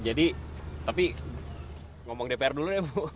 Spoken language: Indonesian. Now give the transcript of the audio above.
jadi tapi ngomong dpr dulu ya bu